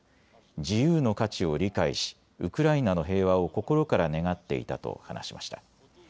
自由の価値を理解しウクライナの平和を心から願っていたと話しました。